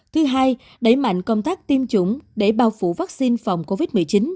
thứ hai đẩy mạnh công tác tiêm chủng để bao phủ vaccine phòng covid một mươi chín